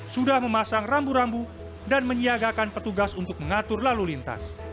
sudah memasang rambu rambu dan menyiagakan petugas untuk mengatur lalu lintas